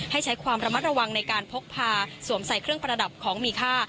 ให้ใช้ความระมัดระวังในการพกพาสวมใส่เครื่องประดับของมีค่า